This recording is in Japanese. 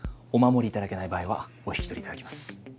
お守りいただけない場合はお引き取りいただきます。